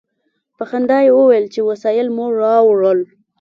په خندا یې وویل چې وسایل مو راوړل.